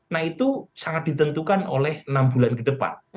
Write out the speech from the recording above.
nah itu sangat ditentukan oleh enam bulan kedepan